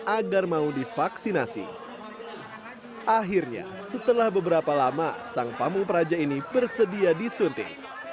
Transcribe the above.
agar mau divaksinasi akhirnya setelah beberapa lama sang pamung peraja ini bersedia disuntik